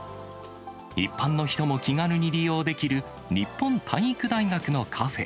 一般の人も気軽に利用できる、日本体育大学のカフェ。